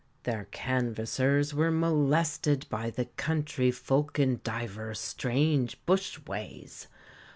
Their canvassers were molested by the country folk in divers strange bush ways.